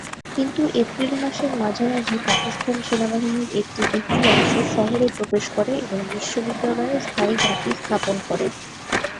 কিন্তু এপ্রিল মাসের মাঝামাঝি পাকিস্তান সেনাবাহিনীর একটি বিপুল অংশ শহরে প্রবেশ করে এবং বিশ্ববিদ্যালয়ে স্থায়ী ঘাঁটি স্থাপন করে।